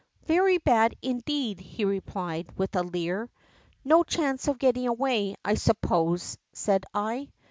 ^ Very bad indeed,' he replied, with a leer. ^ ]^o chance of getting away, I suppose,' said I.